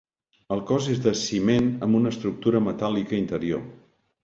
El cos és de ciment amb una estructura metàl·lica interior.